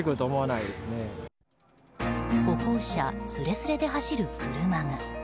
歩行者すれすれで走る車が。